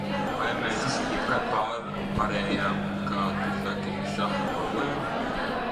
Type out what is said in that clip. Vai mēs jebkad pārvarējām, kā tu saki, šaha problēmu?